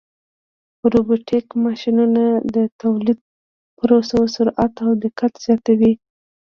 روبوټیک ماشینونه د تولیدي پروسو سرعت او دقت زیاتوي.